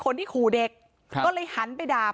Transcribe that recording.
พนักงานในร้าน